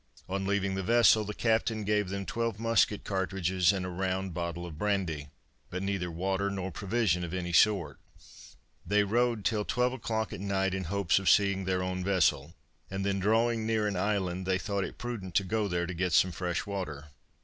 On leaving the vessel, the captain gave them twelve musket cartridges and a round bottle of brandy, but neither water nor provision of any sort. They rowed till twelve o'clock at night, in hopes of seeing their own vessel, and then drawing near an island they thought it prudent to go there to get some fresh water.